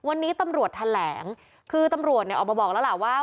วันนี้ตำรวจแถลงคือตำรวจเนี่ยออกมาบอกแล้วล่ะว่า